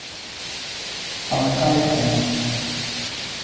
八街九陌